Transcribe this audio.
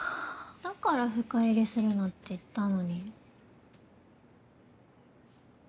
だから深入りするなって言ったのに。